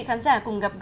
từ phía bắc đến phía bắc